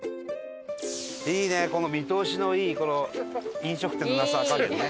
いいねこの見通しのいい飲食店のなさ加減ね。